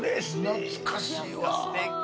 懐かしいわ。